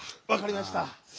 わかりました。